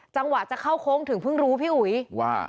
จังหวะจะเข้าโค้งถึงเพิ่งรู้พี่อุ๋ยว่า